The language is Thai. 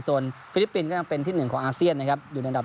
ส่วนฟิลิปปินส์ก็ยังเป็นที่หนึ่งของอาเซียนนะครับอยู่ในอันดับ